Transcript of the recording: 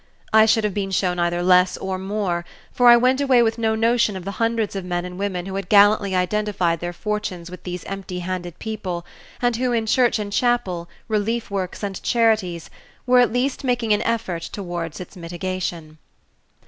I should have been shown either less or more, for I went away with no notion of the hundreds of men and women who had gallantly identified their fortunes with these empty handed people, and who, in church and chapel, "relief works," and charities, were at least making an effort towards its mitigation.